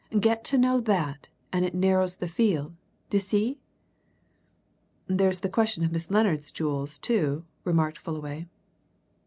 Get to know that, and it narrows the field, d'ye see?" "There's the question of Miss Lennard's jewels, too," remarked Fullaway.